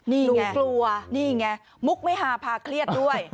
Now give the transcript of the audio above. นี่ไงลูกกลัวนี่ไงมุกไม่หาพาเครียดด้วย